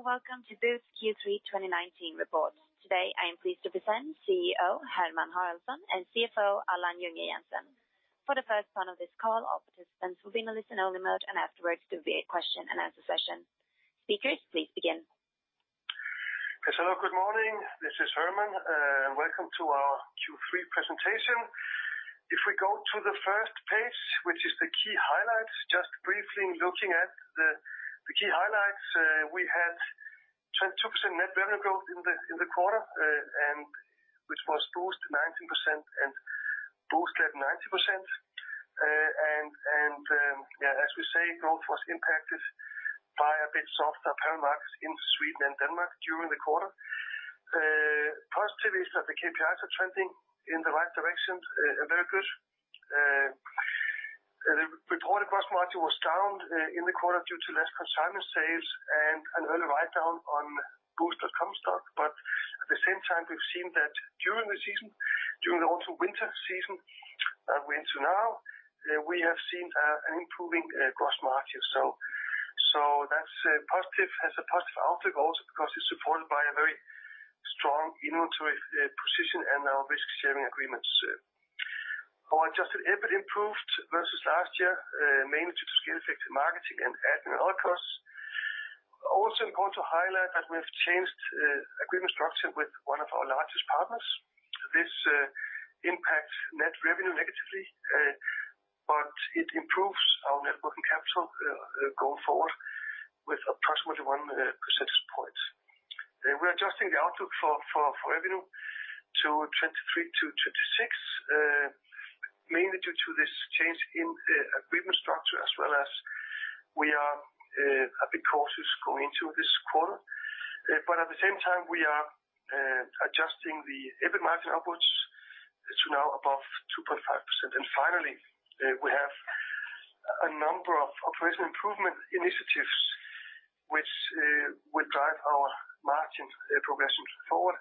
Hello, and welcome to Boozt Q3 2019 report. Today, I am pleased to present CEO Hermann Haraldsson and CFO Allan Junge-Jensen. For the first part of this call, all participants will be in a listen-only mode, and afterwards there will be a question-and-answer session. Speakers, please begin. Hello, good morning. This is Hermann, welcome to our Q3 presentation. If we go to the first page, which is the key highlights, just briefly looking at the key highlights, we had 22% net revenue growth in the quarter, and which was Boozt 19% and Booztlet 90%. And, yeah, as we say, growth was impacted by a bit softer parent markets in Sweden and Denmark during the quarter. Positive is that the KPIs are trending in the right direction, very good. The reported gross margin was down in the quarter due to less consignment sales and an early write-down on Boozt.com stock. But at the same time, we've seen that during the season, during the autumn/winter season that we're into now, we have seen an improving gross margin. So that's positive, has a positive outlook also because it's supported by a very strong inventory position and our risk-sharing agreements. Our Adjusted EBIT improved versus last year, mainly due to scale effect in marketing and admin, and other costs. Also important to highlight that we've changed agreement structure with one of our largest partners. This impacts net revenue negatively, but it improves our net working capital going forward with approximately 1 percentage points. We're adjusting the outlook for revenue to 23-26, mainly due to this change in the agreement structure, as well as we are a bit cautious going into this quarter. But at the same time, we are adjusting the EBIT margin outputs to now above 2.5%. And finally, we have a number of operational improvement initiatives, which will drive our margin progressions forward,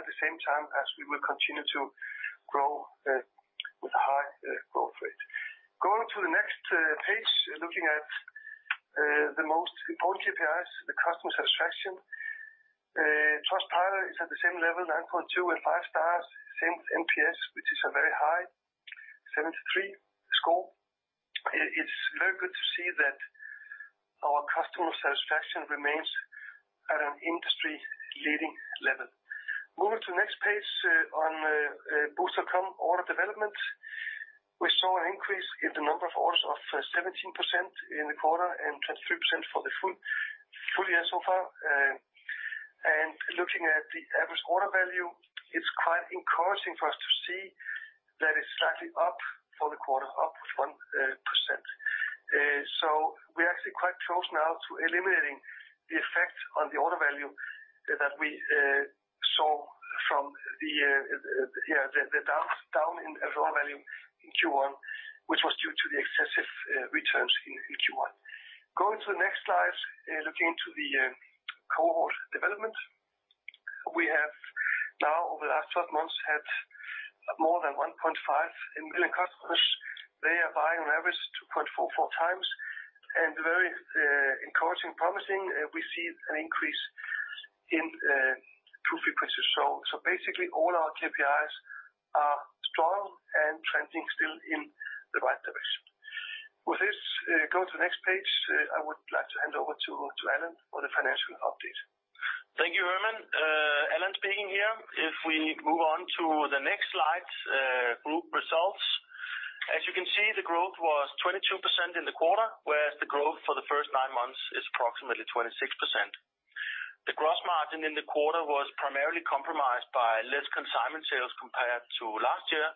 at the same time as we will continue to grow with a high growth rate. Going to the next page, looking at the most important KPIs, the customer satisfaction. Trustpilot is at the same level, 9.2 and 5 stars, same with NPS, which is a very high 73 score. It's very good to see that our customer satisfaction remains at an industry-leading level. Moving to the next page, on Boozt.com order development, we saw an increase in the number of orders of 17% in the quarter, and 23% for the full year so far. And looking at the average order value, it's quite encouraging for us to see that it's slightly up for the quarter, up 1%. So we're actually quite close now to eliminating the effect on the order value that we saw from the down in order value in Q1, which was due to the excessive returns in Q1. Going to the next slide, looking to the cohort development. We have now, over the last 12 months, had more than 1.5 million customers. They are buying on average 2.44 times, and very encouraging, promising, we see an increase in true frequencies. So basically, all our KPIs are strong and trending still in the right direction. With this, go to the next page, I would like to hand over to, to Allan for the financial update. Thank you, Hermann. Allan speaking here. If we move on to the next slide, group results. As you can see, the growth was 22% in the quarter, whereas the growth for the first nine months is approximately 26%. The gross margin in the quarter was primarily compromised by less consignment sales compared to last year,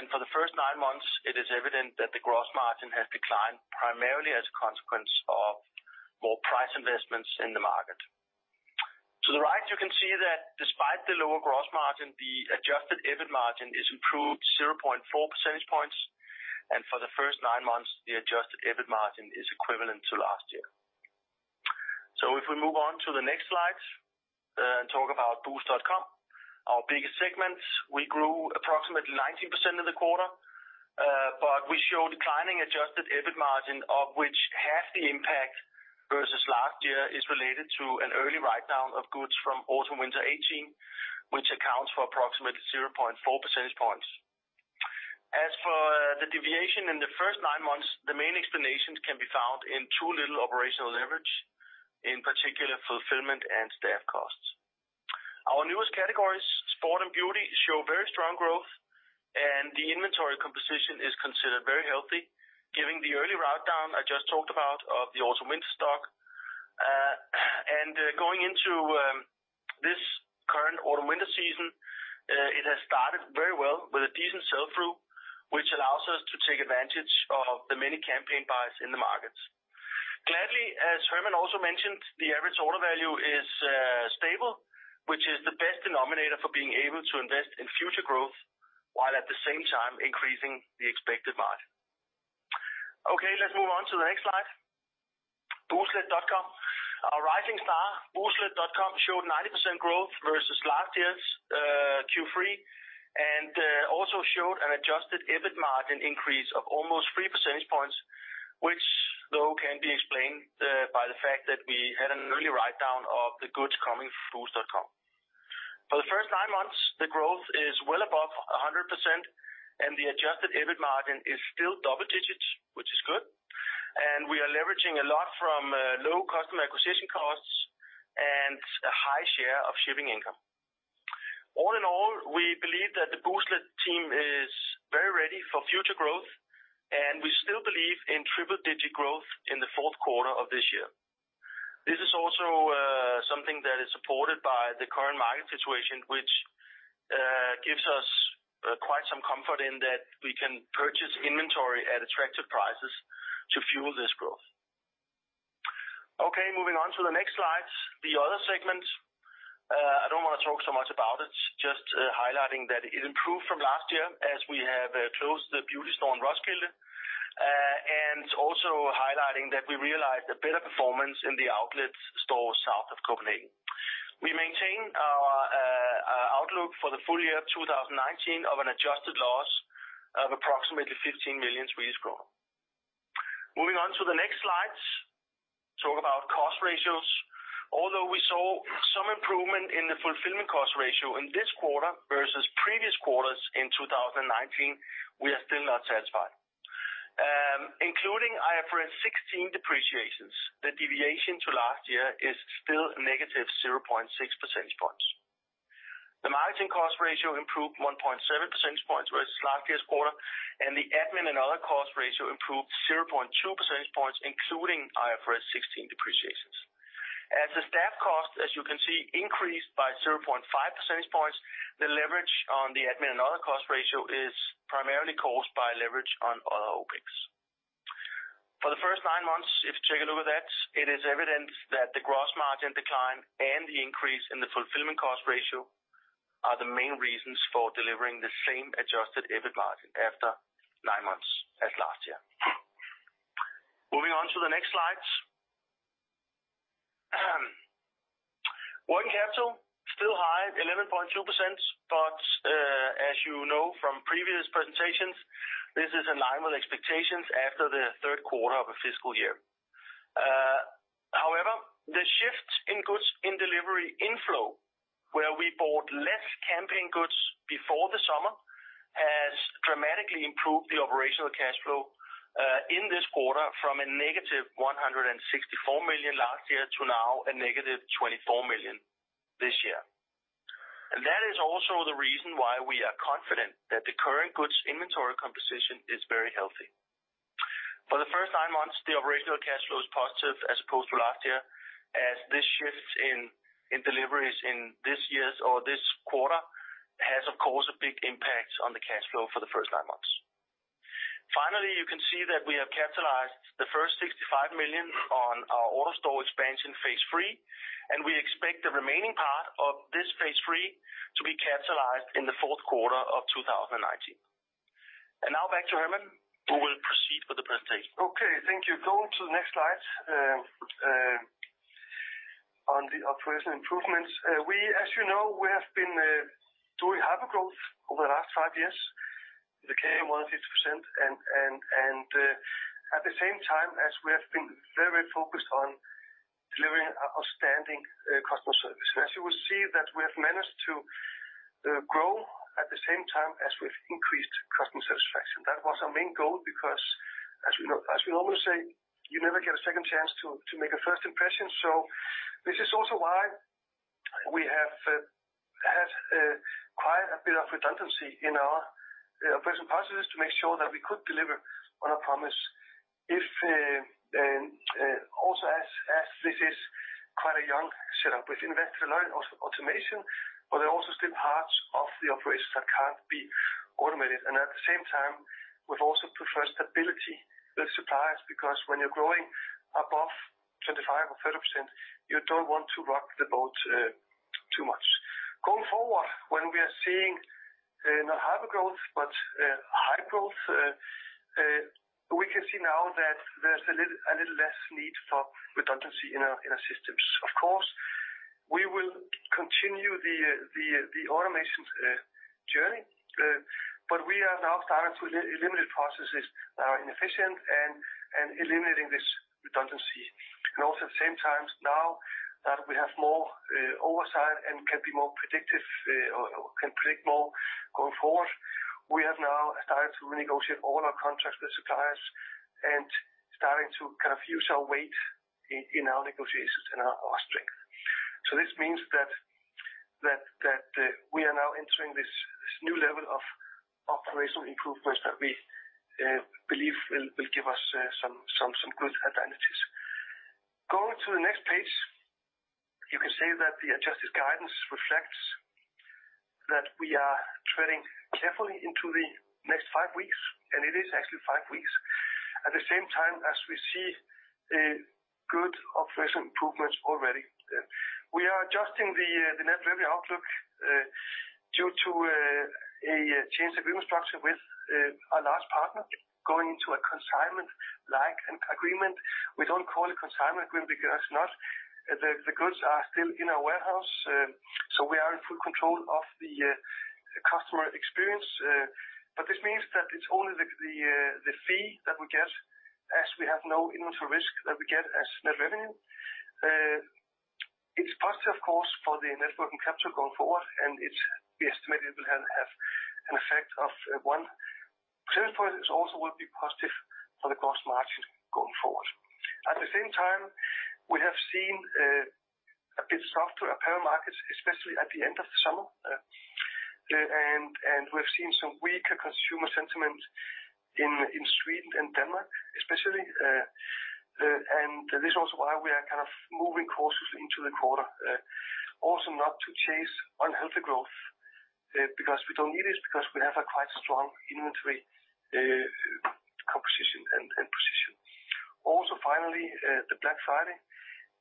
and for the first nine months, it is evident that the gross margin has declined primarily as a consequence of more price investments in the market. To the right, you can see that despite the lower gross margin, the adjusted EBIT margin is improved 0.4 percentage points, and for the first nine months, the adjusted EBIT margin is equivalent to last year. So if we move on to the next slide, and talk about Boozt.com, our biggest segment, we grew approximately 19% in the quarter, but we showed declining adjusted EBIT margin, of which half the impact versus last year is related to an early write-down of goods from autumn/winter 2018, which accounts for approximately 0.4 percentage points. As for the deviation in the first nine months, the main explanations can be found in too little operational leverage, in particular, fulfillment and staff costs. Our newest categories, sport and beauty, show very strong growth, and the inventory composition is considered very healthy. Given the early write-down I just talked about of the autumn/winter stock, and, going into, this current autumn/winter season, it has started very well with a decent sell-through, which allows us to take advantage of the many campaign buys in the markets. Gladly, as Hermann also mentioned, the average order value is stable, which is the best denominator for being able to invest in future growth, while at the same time increasing the expected margin. Okay, let's move on to the next slide. Booztlet.com. Our rising star, Booztlet.com, showed 90% growth versus last year's Q3, and also showed an adjusted EBIT margin increase of almost 3 percentage points, which, though, can be explained by the fact that we had an early write-down of the goods coming from Boozt.com. For the first nine months, the growth is well above 100%, and the adjusted EBIT margin is still double digits, which is good. We are leveraging a lot from low customer acquisition costs and a high share of shipping income. All in all, we believe that the Boozt team is very ready for future growth, and we still believe in triple digit growth in the fourth quarter of this year. This is also something that is supported by the current market situation, which gives us quite some comfort in that we can purchase inventory at attractive prices to fuel this growth. Okay, moving on to the next slide. The other segment, I don't want to talk so much about it, just highlighting that it improved from last year as we have closed the beauty store in Roskilde and also highlighting that we realized a better performance in the outlet store south of Copenhagen. We maintain our outlook for the full year of 2019 of an adjusted loss of approximately 15 million Swedish kronor. Moving on to the next slide, talk about cost ratios. Although we saw some improvement in the fulfillment cost ratio in this quarter versus previous quarters in 2019, we are still not satisfied. Including IFRS 16 depreciations, the deviation to last year is still negative 0.6 percentage points. The margin cost ratio improved 1.7 percentage points versus last year's quarter, and the admin and other cost ratio improved 0.2 percentage points, including IFRS 16 depreciations. As the staff cost, as you can see, increased by 0.5 percentage points, the leverage on the admin and other cost ratio is primarily caused by leverage on other OpEx. For the first nine months, if you take a look at that, it is evident that the gross margin decline and the increase in the fulfillment cost ratio are the main reasons for delivering the same adjusted EBIT margin after nine months as last year. Moving on to the next slide. Working capital, still high, 11.2%, but, as you know from previous presentations, this is in line with expectations after the third quarter of a fiscal year. However, the shift in goods in delivery inflow, where we bought less campaign goods before the summer, has dramatically improved the operational cash flow, in this quarter from a negative 164 million last year to now a negative 24 million this year. And that is also the reason why we are confident that the current goods inventory composition is very healthy. For the first nine months, the operational cash flow is positive as opposed to last year, as this shift in deliveries in this year's or this quarter has, of course, a big impact on the cash flow for the first nine months. Finally, you can see that we have capitalized the first 65 million on our AutoStore expansion phase three, and we expect the remaining part of this phase three to be capitalized in the fourth quarter of 2019. Now back to Hermann, who will proceed with the presentation. Okay, thank you. Go to the next slide. On the operational improvements, as you know, we have been doing hypergrowth over the last five years, the CAGR 150%, and at the same time as we have been very focused on delivering outstanding customer service. As you will see that we have managed to grow at the same time as we've increased customer satisfaction. That was our main goal, because as we know, as we always say, you never get a second chance to make a first impression. So this is also why we have had quite a bit of redundancy in our operation processes to make sure that we could deliver on our promise. Also, as this is quite a young setup, we've invested a lot in automation, but there are also still parts of the operations that can't be automated. At the same time, we've also preferred stability with suppliers, because when you're growing above 25% or 30%, you don't want to rock the boat too much. Going forward, when we are seeing not hypergrowth, but high growth, we can see now that there's a little less need for redundancy in our systems. Of course, we will continue the automation journey, but we are now starting to eliminate processes that are inefficient and eliminating this redundancy. Also at the same time now that we have more oversight and can be more predictive, or can predict more going forward, we have now started to renegotiate all our contracts with suppliers and starting to kind of use our weight in our negotiations and our strength. So this means that we are now entering this new level of operational improvements that we believe will give us some good advantages. Going to the next page, you can say that the adjusted guidance reflects that we are treading carefully into the next five weeks, and it is actually five weeks. At the same time, as we see good operational improvements already. We are adjusting the net revenue outlook due to a changed agreement structure with a large partner going into a consignment-like agreement. We don't call it consignment agreement because it's not. The goods are still in our warehouse so we are in full control of the customer experience, but this means that it's only the fee that we get as we have no inventory risk that we get as net revenue. It's positive, of course, for the net working capital going forward, and it's we estimate it will have an effect of one. Clearly, for this also will be positive for the gross margin going forward. At the same time, we have seen a bit softer apparel markets, especially at the end of the summer. And we've seen some weaker consumer sentiment in Sweden and Denmark, especially. And this is also why we are kind of moving courses into the quarter, also not to chase unhealthy growth, because we don't need it, because we have a quite strong inventory composition and position. Also, finally, the Black Friday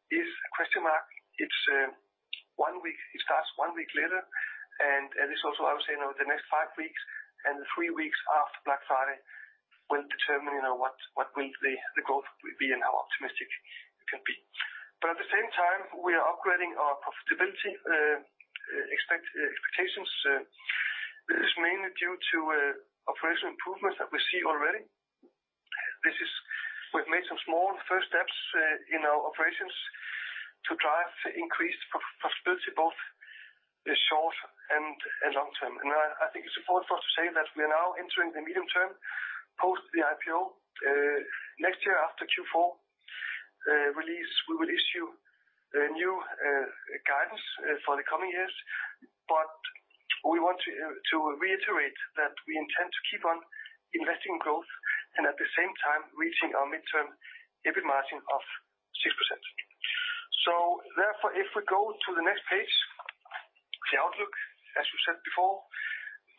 is a question mark. It's one week- it starts one week later, and it's also, I would say, now, the next five weeks, and the three weeks after Black Friday will determine, you know, what the growth will be and how optimistic it can be. But at the same time, we are upgrading our profitability expectations. This is mainly due to operational improvements that we see already. This is... We've made some small first steps in our operations to drive increased profitability, both the short and long term. I think it's important for us to say that we are now entering the medium term post the IPO. Next year, after Q4 release, we will issue new guidance for the coming years, but we want to reiterate that we intend to keep on investing in growth and at the same time reaching our midterm EBIT margin of 6%. So therefore, if we go to the next page, the outlook, as we said before,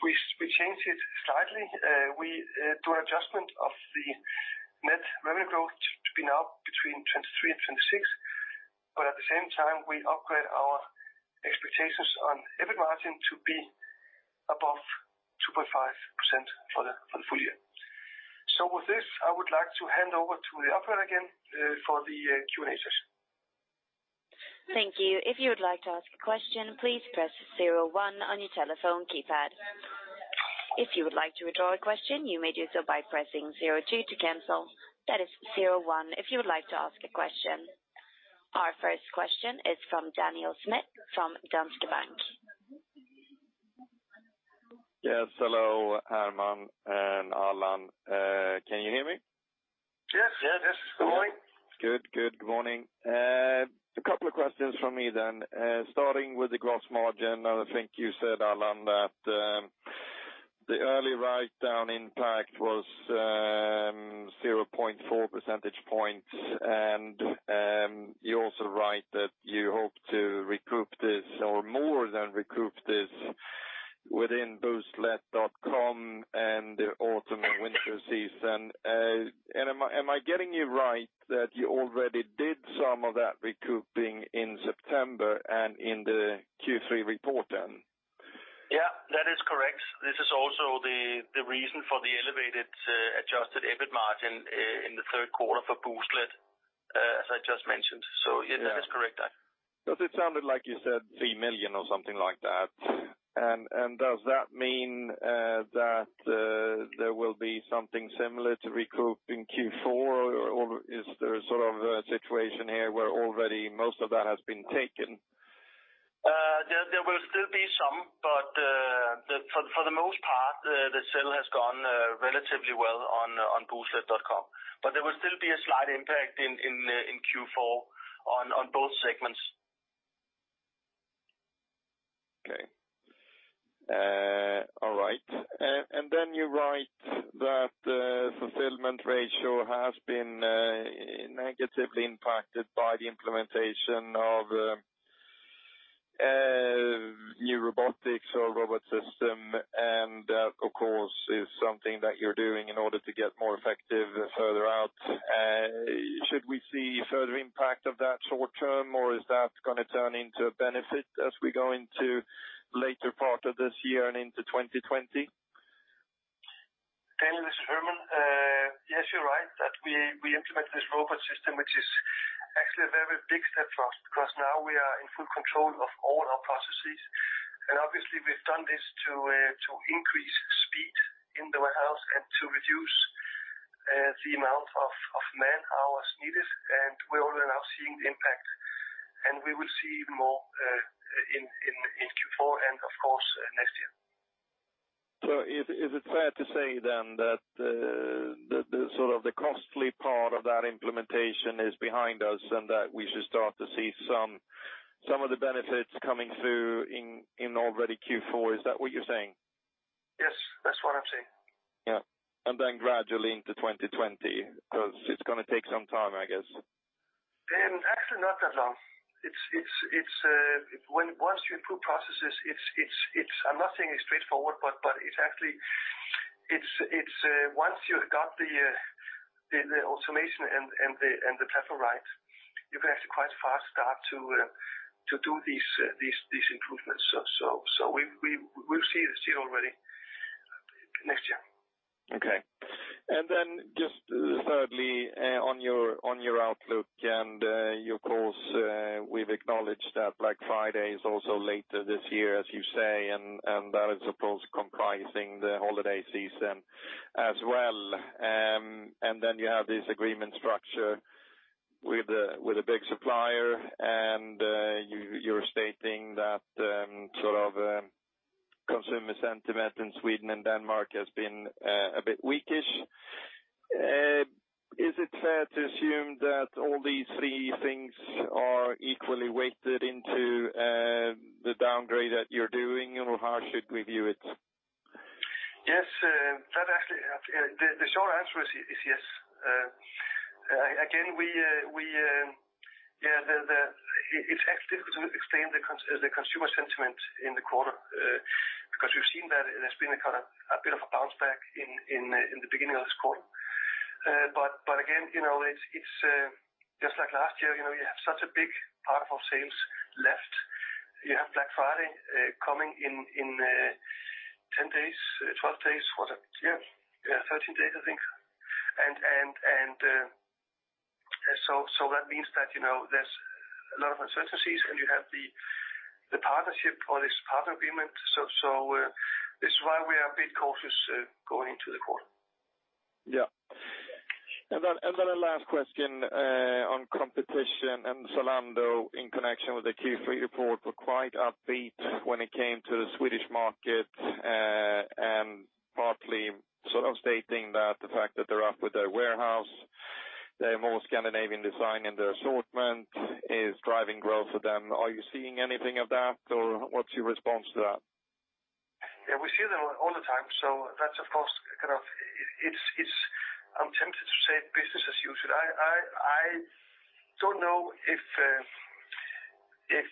we changed it slightly. We do an adjustment of the net revenue growth to be now between 23 and 26, but at the same time, we upgrade our expectations on EBIT margin to be above 2.5% for the full year. So with this, I would like to hand over to the operator again for the Q&A session. Thank you. If you would like to ask a question, please press zero one on your telephone keypad. If you would like to withdraw a question, you may do so by pressing zero two to cancel. That is zero one if you would like to ask a question. Our first question is from Daniel Schmidt, from Danske Bank. Yes, hello, Hermann and Allan. Can you hear me? Yes, yes. Good morning. Good, good. Good morning. A couple of questions from me then. Starting with the gross margin, I think you said, Allan, that the early write down impact was 0.4 percentage points. And you also write that you hope to recoup this or more than recoup this within Booztlet.com and the autumn and winter season. And am I, am I getting you right, that you already did some of that recouping in September and in the Q3 report then? Yeah, that is correct. This is also the reason for the elevated adjusted EBIT margin in the third quarter for Booztlet, as I just mentioned. So yeah, that is correct. Because it sounded like you said 3 million or something like that. And does that mean that there will be something similar to recoup in Q4, or is there a sort of a situation here where already most of that has been taken? There will still be some, but for the most part, the sale has gone relatively well on Booztlet.com, but there will still be a slight impact in Q4 on both segments. Okay. All right. And then you write that the fulfillment ratio has been negatively impacted by the implementation of new robotics or robot system. And that, of course, is something that you're doing in order to get more effective further out. Should we see further impact of that short term, or is that gonna turn into a benefit as we go into later part of this year and into 2020? Thanks, Hermann. Yes, you're right, that we implemented this robot system, which is actually a very big step for us, because now we are in full control of all our processes. Obviously, we've done this to increase speed in the warehouse and to reduce the amount of man-hours needed, and we are already now seeing the impact, and we will see even more in Q4, and of course, next year. So is it fair to say then, that the sort of the costly part of that implementation is behind us, and that we should start to see some of the benefits coming through in already Q4? Is that what you're saying? Yes, that's what I'm saying. Yeah. Then gradually into 2020, because it's gonna take some time, I guess. Actually, not that long. It's once you improve processes, it's... I'm not saying it's straightforward, but it's actually once you've got the automation and the platform right, you can actually quite fast start to do these improvements. So we've seen already And then just thirdly, on your outlook and your course, we've acknowledged that Black Friday is also later this year, as you say, and that is, of course, comprising the holiday season as well. And then you have this agreement structure with a big supplier, and you're stating that sort of consumer sentiment in Sweden and Denmark has been a bit weakish. Is it fair to assume that all these three things are equally weighted into the downgrade that you're doing, or how should we view it? Yes, that actually, the short answer is yes. Again, it's actually to explain the consumer sentiment in the quarter, because we've seen that there's been a kind of a bit of a bounce back in the beginning of this quarter. But again, you know, it's just like last year, you know, you have such a big part of our sales left. You have Black Friday coming in 10 days, 12 days. What's that? Yeah, 13 days, I think. And so that means that, you know, there's a lot of uncertainties, and you have the partnership or this partner agreement. So this is why we are a bit cautious going into the quarter. Yeah. And then a last question on competition and Zalando in connection with the Q3 report, were quite upbeat when it came to the Swedish market, and partly sort of stating that the fact that they're up with their warehouse, they're more Scandinavian design, and their assortment is driving growth for them. Are you seeing anything of that, or what's your response to that? Yeah, we see them all the time, so that's, of course, kind of—I'm tempted to say business as usual. I don't know if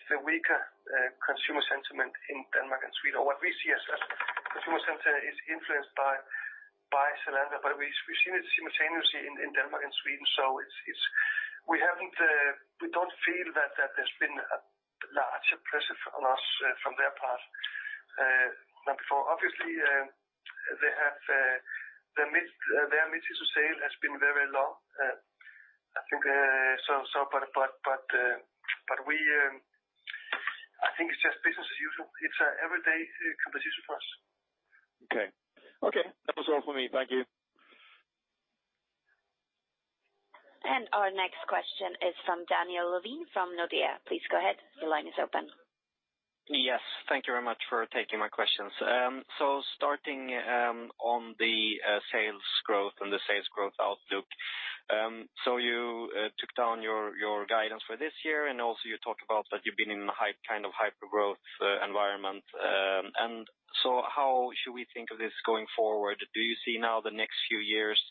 the weaker consumer sentiment in Denmark and Sweden, or what we see as a consumer sentiment, is influenced by Zalando, but we've seen it simultaneously in Denmark and Sweden. So we haven't, we don't feel that there's been a larger pressure on us from their part than before. Obviously, they have their mid-season sale has been very long, I think, but I think it's just business as usual. It's an everyday competition for us. Okay. Okay, that was all for me. Thank you. Our next question is from Daniel Ovin, from Nordea. Please go ahead. The line is open. Yes, thank you very much for taking my questions. So starting on the sales growth and the sales growth outlook, so you took down your guidance for this year, and also you talked about that you've been in a high kind of hyper-growth environment. And so how should we think of this going forward? Do you see now the next few years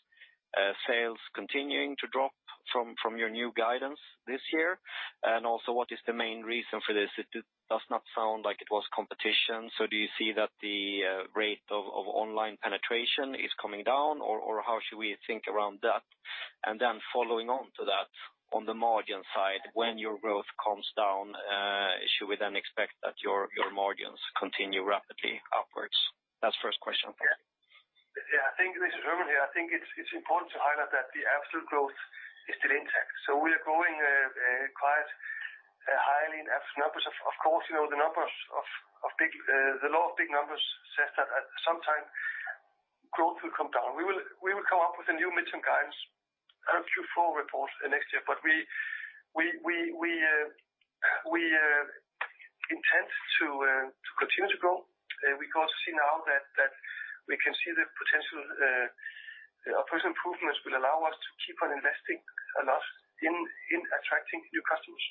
sales continuing to drop from your new guidance this year? And also, what is the main reason for this? It does not sound like it was competition, so do you see that the rate of online penetration is coming down, or how should we think around that? And then following on to that, on the margin side, when your growth calms down, should we then expect that your margins continue rapidly upwards? That's the first question. Yeah, I think this is Hermann here. I think it's important to highlight that the absolute growth is still intact, so we are growing quite highly in absolute numbers. Of course, you know, the law of big numbers says that at some time growth will come down. We will come up with a new midterm guidance and a Q4 report next year, but we intend to continue to grow. We can also see now that we can see the potential operation improvements will allow us to keep on investing a lot in attracting new customers.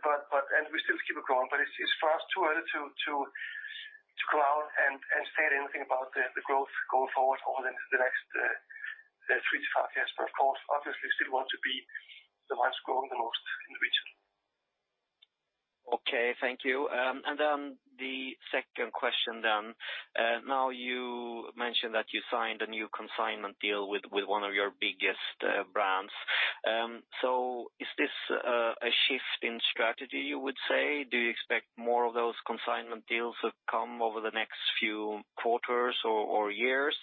But we still keep it growing, but it's for us too early to go out and state anything about the growth going forward over the next 3-5 years. But of course, obviously still want to be the one growing the most in the region. Okay, thank you. And then the second question then. Now, you mentioned that you signed a new consignment deal with one of your biggest brands. So is this a shift in strategy, you would say? Do you expect more of those consignment deals to come over the next few quarters or years?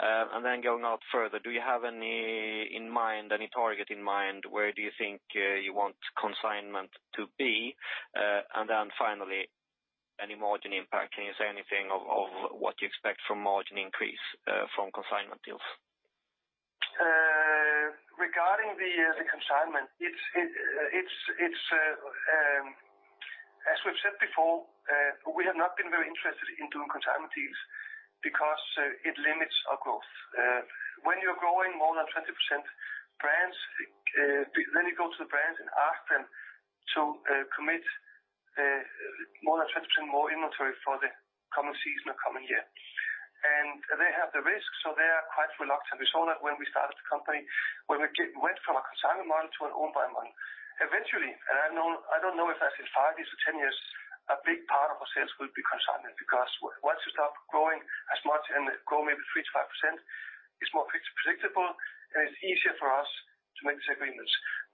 And then going out further, do you have any in mind, any target in mind? Where do you think you want consignment to be? And then finally, any margin impact? Can you say anything of what you expect from margin increase from consignment deals? Regarding the consignment, it's, it, it's, as we've said before, we have not been very interested in doing consignment deals because it limits our growth. When you're growing more than 20%, brands, then you go to the brands and ask them to commit more than 20% more inventory for the coming season or coming year. And they have the risk, so they are quite reluctant. We saw that when we started the company, when we went from a consignment model to an owned-buy model. Eventually, and I know—I don't know if that's in 5 years or 10 years, a big part of our sales will be consignment, because once you stop growing as much and grow maybe 3%-5%, it's more predictable, and it's easier for us to make these agreements.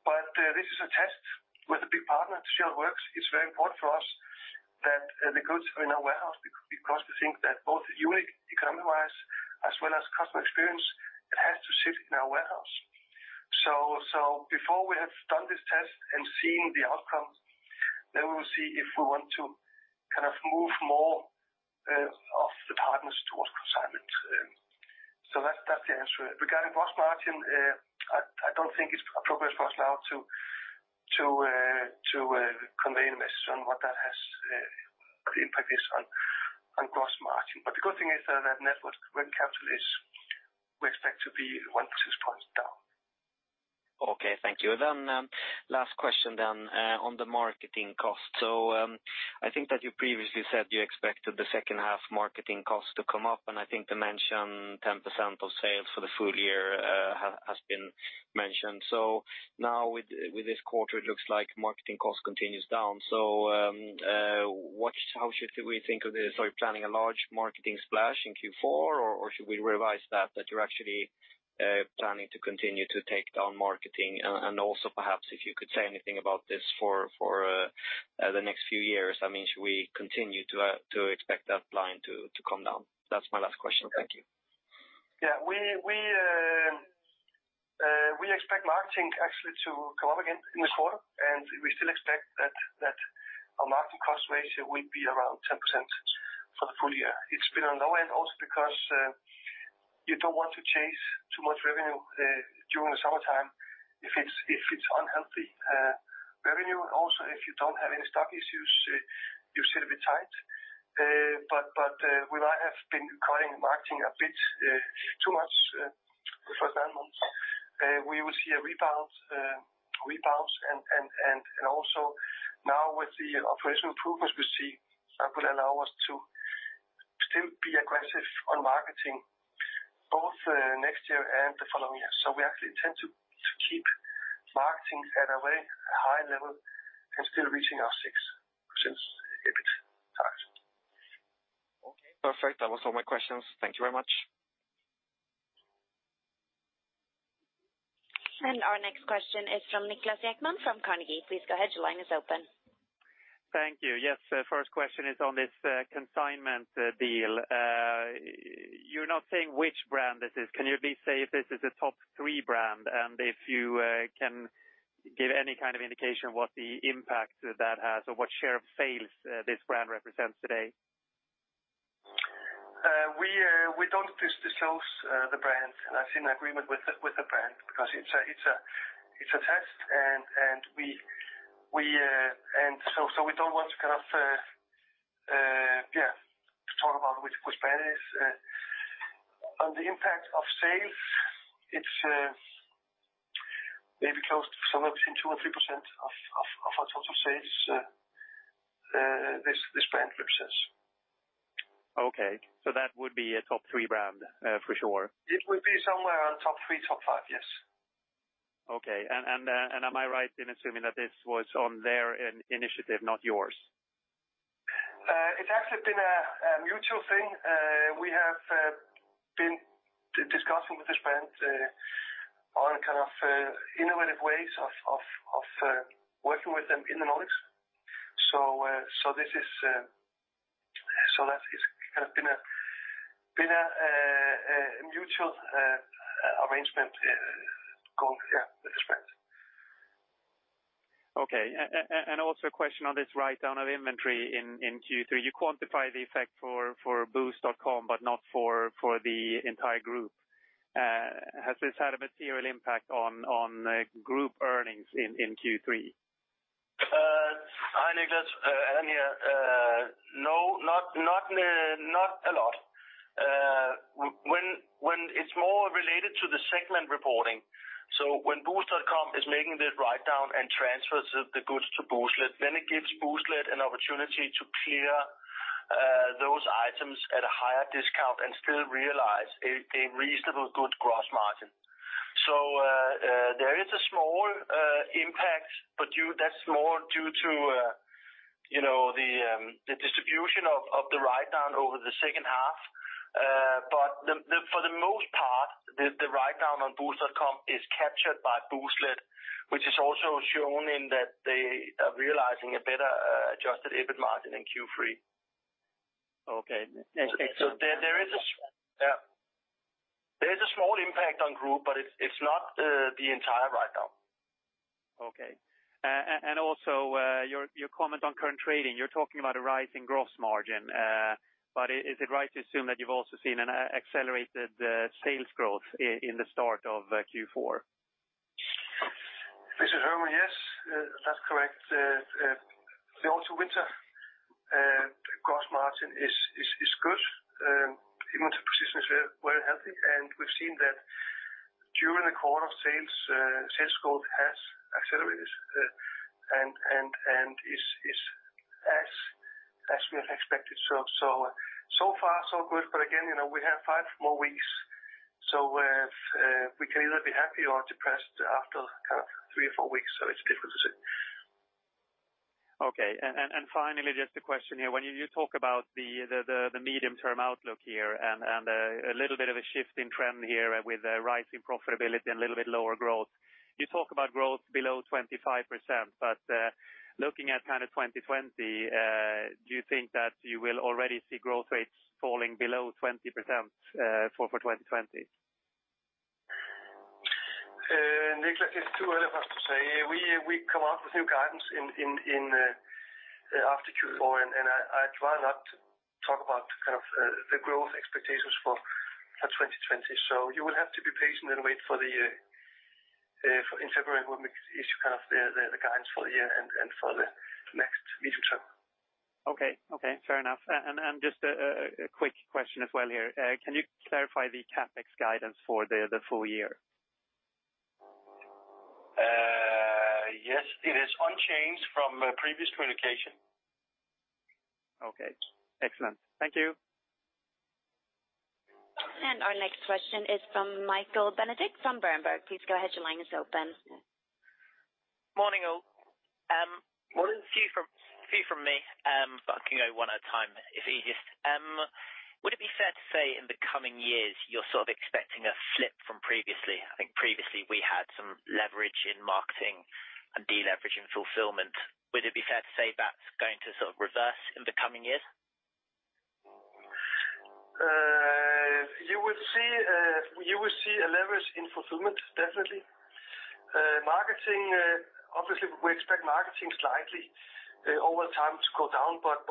But this is a test with a big partner to see how it works. It's very important for us that the goods are in our warehouse, because we think that both unit economy-wise, as well as customer experience, it has to sit in our warehouse. So before we have done this test and seen the outcome, then we will see if we want to kind of move more of the partners towards consignment. So that's the answer. Regarding gross margin, I don't think it's appropriate for us now to convey a message on what that has the impact is on gross margin. But the good thing is that net working capital we expect to be 1-2 points down. Okay, thank you. Then, last question then, on the marketing cost. So, I think that you previously said you expected the second half marketing cost to come up, and I think the mention 10% of sales for the full year, has, has been mentioned. So now with this quarter, it looks like marketing cost continues down. So, what, how should we think of this? Are you planning a large marketing splash in Q4, or should we revise that, that you're actually, planning to continue to take down marketing? And also perhaps if you could say anything about this for the next few years, I mean, should we continue to expect that line to come down? That's my last question. Thank you. Yeah, we expect marketing actually to come up again in the quarter, and we still expect that our marketing cost ratio will be around 10% for the full year. It's been on the low end also because you don't want to chase too much revenue during the summertime if it's unhealthy revenue. Also, if you don't have any stock issues, you should be tight. But we might have been cutting marketing a bit too much for the nine months. We will see a rebound, and also now with the operational improvements we see, that will allow us to still be aggressive on marketing both next year and the following year. So we actually intend to keep marketing at a very high level and still reaching our 6% EBIT target. Okay, perfect. That was all my questions. Thank you very much. Our next question is from Niklas Ekman, from Carnegie. Please go ahead. Your line is open. Thank you. Yes, first question is on this consignment deal. You're not saying which brand this is. Can you at least say if this is a top three brand, and if you can give any kind of indication what the impact that has or what share of sales this brand represents today? We don't disclose the brands, and that's in agreement with the brand, because it's a test, and so we don't want to kind of talk about which brand it is. On the impact of sales, it's maybe close to somewhere between 2%-3% of our total sales this brand represents. Okay. So that would be a top three brand, for sure? It would be somewhere on top three, top five, yes. Okay. And am I right in assuming that this was on their initiative, not yours? It's actually been a mutual thing. We have been discussing with this brand on kind of innovative ways of working with them in the Nordics. So, this is, that is kind of been a mutual arrangement going, yeah, with this brand. Okay. And also a question on this write down of inventory in Q3, you quantify the effect for Boozt.com, but not for the entire group. Has this had a material impact on group earnings in Q3? Hi, Niklas. Yeah, no, not a lot. When it's more related to the segment reporting, so when Boozt.com is making the write down and transfers the goods to Booztlet, then it gives Booztlet an opportunity to clear those items at a higher discount and still realize a reasonable good gross margin. So, there is a small impact, but that's more due to, you know, the distribution of the write down over the second half. But for the most part, the write down on Boozt.com is captured by Booztlet, which is also shown in that they are realizing a better adjusted EBIT margin in Q3. Okay. So, yeah. There is a small impact on group, but it's not the entire write-down. Okay. And also, your comment on current trading, you're talking about a rise in gross margin, but is it right to assume that you've also seen an accelerated sales growth in the start of Q4? This is Hermann. Yes, that's correct. The autumn-winter gross margin is good. Even the positions were healthy, and we've seen that during the quarter, sales growth has accelerated, and is as we have expected. So far, so good. But again, you know, we have five more weeks, so we can either be happy or depressed after three or four weeks, so it's difficult to say. Okay. And finally, just a question here. When you talk about the medium-term outlook here and a little bit of a shift in trend here with a rise in profitability and a little bit lower growth... You talk about growth below 25%, but looking at kind of 2020, do you think that you will already see growth rates falling below 20% for 2020? Niklas, it's too early for us to say. We come out with new guidance after Q4, and I try not to talk about kind of the growth expectations for 2020. So you will have to be patient and wait in February, when we issue kind of the guidance for the year and for the next meeting term. Okay. Okay, fair enough. And just a quick question as well here. Can you clarify the CapEx guidance for the full year? Yes, it is unchanged from a previous communication. Okay, excellent. Thank you. Our next question is from Michael Benedict, from Berenberg. Please go ahead. Your line is open. Morning, all. One of few from me, but I can go one at a time if easiest. Would it be fair to say in the coming years you're sort of expecting a flip from previously? I think previously we had some leverage in marketing and deleverage in fulfillment. Would it be fair to say that's going to sort of reverse in the coming years? You will see a leverage in fulfillment, definitely. Marketing, obviously, we expect marketing slightly, over time to go down, but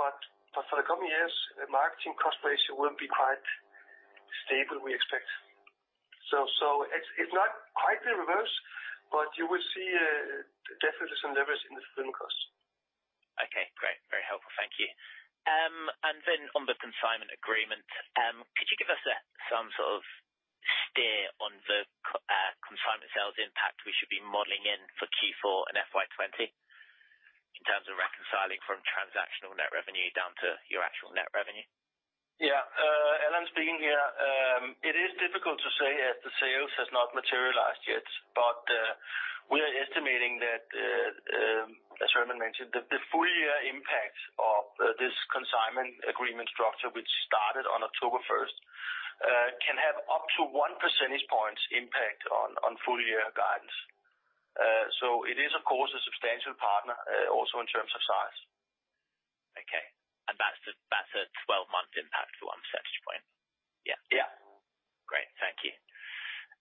for the coming years, the marketing cost ratio will be quite stable, we expect. So, it's not quite the reverse, but you will see, definitely some leverage in the fulfillment costs. Okay, great. Very helpful. Thank you. And then on the consignment agreement, could you give us some sort of steer on the consignment sales impact we should be modeling in for Q4 and FY 2020, in terms of reconciling from transactional net revenue down to your actual net revenue? Yeah. Allan speaking here. It is difficult to say, as the sales has not materialized yet, but, we are estimating that, as Hermann mentioned, that the full year impact of, this consignment agreement structure, which started on October first, can have up to one percentage points impact on, on full year guidance. So it is, of course, a substantial partner, also in terms of size. Okay. And that's a 12-month impact to 1 percentage point? Yeah. Great. Thank you.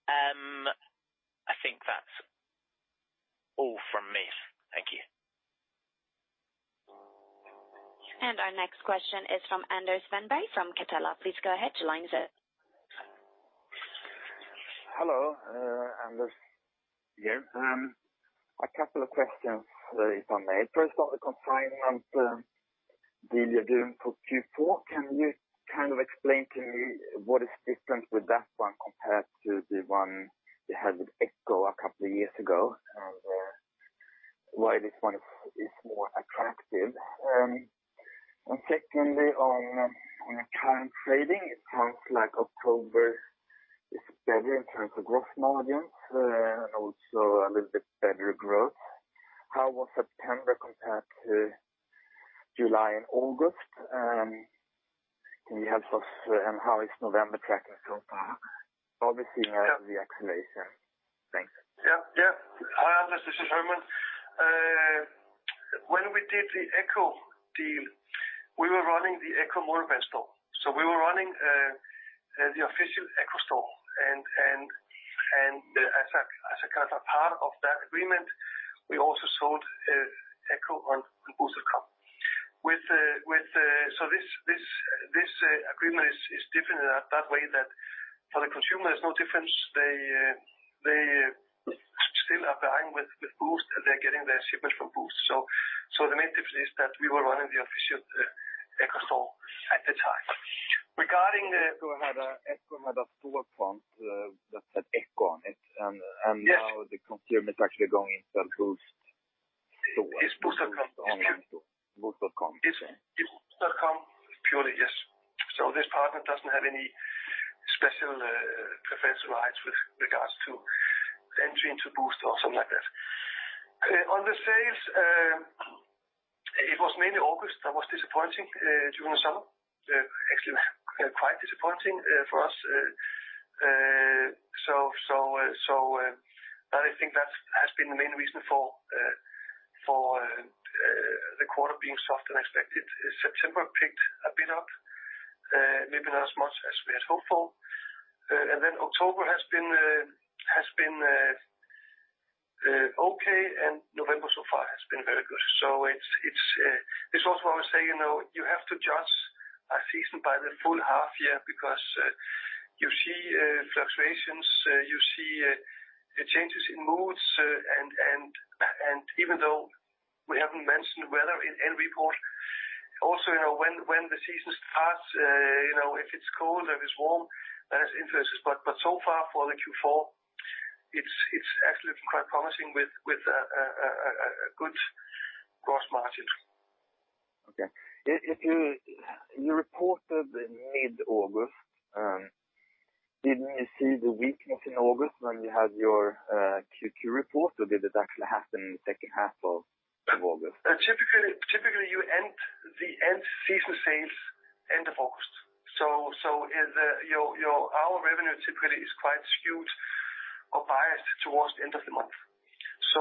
I think that's all from me. Thank you. Our next question is from Anders Wennberg from Catella. Please go ahead. Your line is open. Hello, Anders. Yeah. A couple of questions, if I may. First, on the consignment deal you're doing for Q4, can you kind of explain to me what is different with that one compared to the one you had with ECCO a couple of years ago, and why this one is more attractive? And secondly, on the current trading, it sounds like October is better in terms of growth margins, and also a little bit better growth. How was September compared to July and August? Can you help us? And how is November tracking so far? Obviously, you have the acceleration. Thanks. Yeah, yeah. Hi, Anders, this is Hermann. When we did the ECCO deal, we were running the ECCO monobrand store. So we were running the official ECCO store, and as a kind of a part of that agreement, we also sold ECCO on Boozt.com. With the—so this agreement is different in that way, that for the consumer, there's no difference. They still are buying with Boozt, they're getting their shipment from Boozt. So the main difference is that we were running the official ECCO store at the time. Regarding the- So you had a ECCO, had a store front, that said ECCO on it, and- Yes. And now the consumer is actually going into the Boozt store. It's Boozt.com. Boozt.com. It's .com purely, yes. So this partner doesn't have any special professional rights with regards to entry into Boozt or something like that. On the sales, it was mainly August that was disappointing during the summer. Actually quite disappointing for us. So I think that has been the main reason for the quarter being softer than expected. September picked a bit up, maybe not as much as we had hoped for. And then October has been okay, and November so far has been very good. So it's also why we say, you know, you have to judge a season by the full half year, because you see fluctuations, you see changes in moods, and even though we haven't mentioned weather in any report, also you know when the season starts, you know, if it's cold or it's warm, that has influences. But so far for the Q4, it's actually quite promising with a good gross margins. Okay. If you reported in mid-August, didn't you see the weakness in August when you had your Q2 report, or did it actually happen in the second half of August? Typically, you end the end-season sales end of August. So, our revenue typically is quite skewed or biased towards the end of the month. So,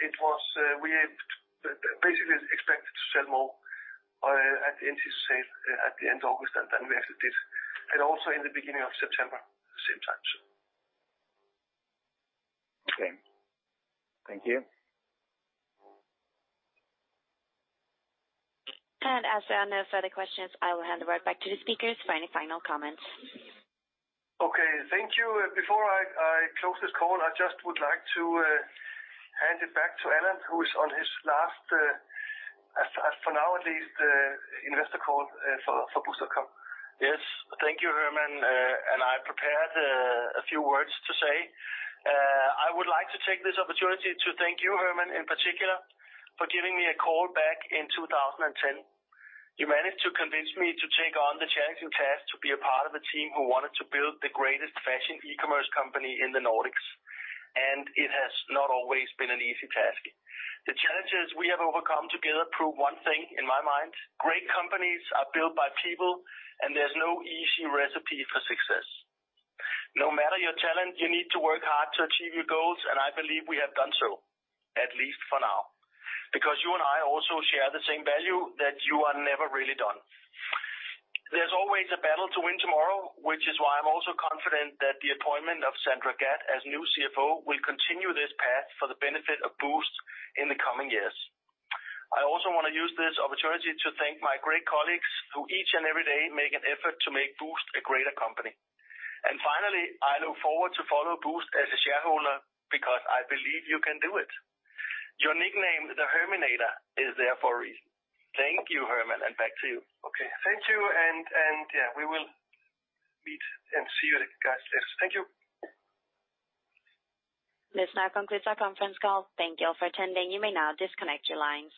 it was, we basically expected to sell more at the end of sale, at the end of August, than we actually did, and also in the beginning of September, same time. Okay. Thank you. As there are no further questions, I will hand the word back to the speakers for any final comments. Okay, thank you. Before I close this call, I just would like to hand it back to Allan, who is on his last, as for now, at least, investor call, for Boozt.com. Yes. Thank you, Hermann. And I prepared a few words to say. I would like to take this opportunity to thank you, Hermann, in particular, for giving me a call back in 2010. You managed to convince me to take on the challenging task to be a part of a team who wanted to build the greatest fashion e-commerce company in the Nordics, and it has not always been an easy task. The challenges we have overcome together prove one thing in my mind: Great companies are built by people, and there's no easy recipe for success. No matter your talent, you need to work hard to achieve your goals, and I believe we have done so, at least for now, because you and I also share the same value that you are never really done. There's always a battle to win tomorrow, which is why I'm also confident that the appointment of Sandra Gadd as new CFO will continue this path for the benefit of Boozt in the coming years. I also want to use this opportunity to thank my great colleagues, who each and every day make an effort to make Boozt a greater company. And finally, I look forward to follow Boozt as a shareholder, because I believe you can do it. Your nickname, The Hermanator, is there for a reason. Thank you, Hermann, and back to you. Okay, thank you, and yeah, we will meet and see you at. Thank you. This now concludes our conference call. Thank you all for attending. You may now disconnect your lines.